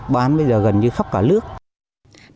bán bây giờ gần như khắp các tỉnh thành